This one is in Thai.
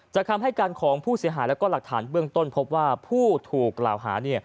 คำให้การของผู้เสียหายและหลักฐานเบื้องต้นพบว่าผู้ถูกกล่าวหา